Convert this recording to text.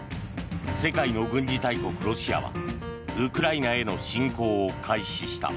世界の軍事大国ロシアはウクライナへの侵攻を開始した。